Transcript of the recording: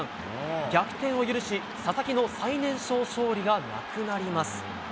逆転を許し、佐々木の最年少勝利がなくなります。